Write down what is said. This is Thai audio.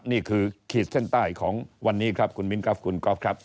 ขีดเส้นใต้ของวันนี้ครับคุณมิ้นครับคุณก๊อฟครับ